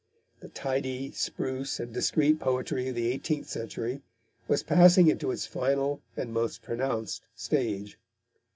The tidy, spruce, and discreet poetry of the eighteenth century was passing into its final and most pronounced stage.